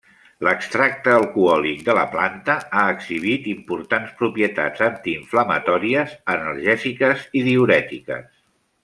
L'extracte alcohòlic de la planta ha exhibit importants propietats antiinflamatòries, analgèsiques i diürètiques.